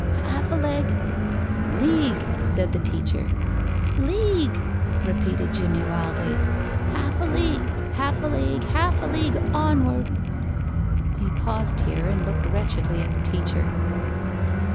"Half a leg " "League," said the teacher. "League," repeated Jimmie, wildly. "Half a league, half a league, half a league onward." He paused here and looked wretchedly at the teacher.